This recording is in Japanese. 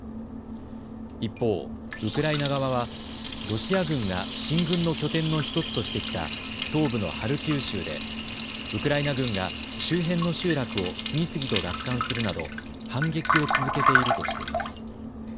一方、ウクライナ側はロシア軍が進軍の拠点の１つとしてきた東部のハルキウ州でウクライナ軍が周辺の集落を次々と奪還するなど反撃を続けているとしています。